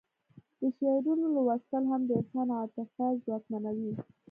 د شعرونو لوستل هم د انسان عاطفه ځواکمنوي